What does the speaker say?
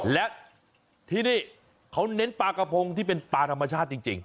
และที่นี่เขาเน้นปลากระพงที่เป็นปลาธรรมชาติจริง